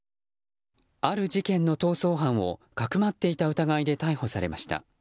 ある事件の逃走犯をかくまっていた疑いで逮捕されました。